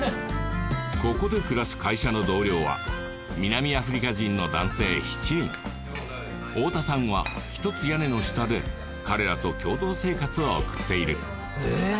ここで暮らす会社の同僚は南アフリカ人の男性７人太田さんは一つ屋根の下で彼らと共同生活を送っているえっ？